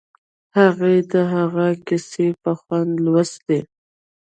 هغې د هغه کیسې په خوند لوستې